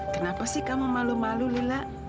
kenapa sih kamu malu malu lila